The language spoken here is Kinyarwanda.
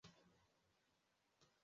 Imbwa eshanu ziruka nijoro